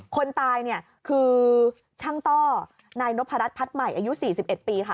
คนตายเนี่ยคือช่างต้อนายนพรัชพัฒน์ใหม่อายุ๔๑ปีค่ะ